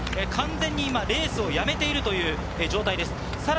完全にレースをやめている状態です。